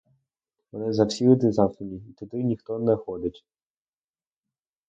Вони завсігди замкнені і туди ніхто не ходить.